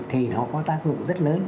thì nó có tác dụng rất lớn